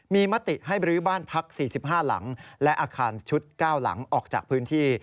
มีมติให้บรื้อบ้านพัก๔๕หลังและอาคารชุด๙หลังออกจากพื้นที่